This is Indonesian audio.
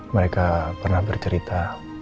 mereka pernah bercerita